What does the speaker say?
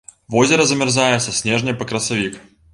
Возера замярзае са снежня па красавік.